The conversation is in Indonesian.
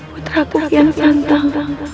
putraku yang santang